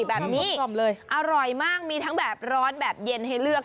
แบบนี้กลมเลยอร่อยมากมีทั้งแบบร้อนแบบเย็นให้เลือก